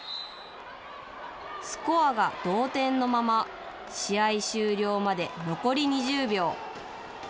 スコアが同点のまま、試合終了まで残り２０秒。